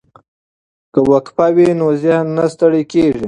که وقفه وي نو ذهن نه ستړی کیږي.